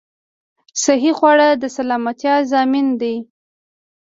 صحې خواړه د سلامتيا ضامن ده